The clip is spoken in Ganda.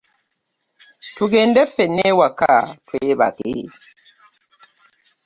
Tugende ffenna ewaka twebake.